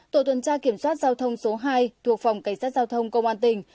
tổ tuần tra kiểm soát giao thông số hai thuộc phòng cảnh sát giao thông công an tỉnh